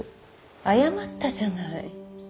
謝ったじゃない。